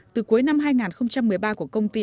từ cuối năm hai nghìn một mươi ba của công ty